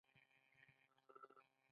د اوږدمهاله سیاسي انتشار ماحول.